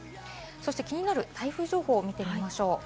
気になる台風情報を見てみましょう。